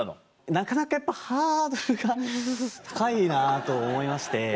なかなかやっぱハードルが高いなと思いまして。